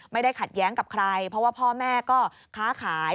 ไม่ได้ขัดแย้งกับใครเพราะว่าพ่อแม่ก็ค้าขาย